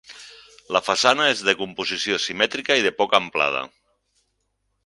La façana és de composició simètrica i de poca amplada.